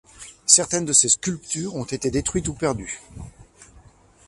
Certaines de ses sculptures ont été détruites ou perdues.